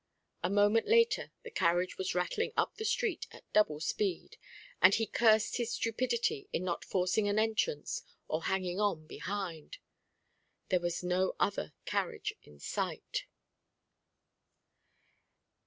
A moment later the carriage was rattling up the street at double speed, and he cursed his stupidity in not forcing an entrance, or hanging on behind. There was no other carriage in sight.